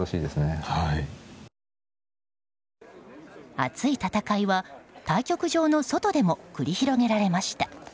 熱い戦いは対局場の外でも繰り広げられました。